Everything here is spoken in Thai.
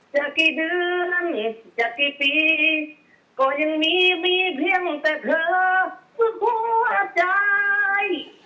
จะกี่เดือนจากกี่ปีก็ยังมีมีเพียงแต่เธอทุกหัวใจ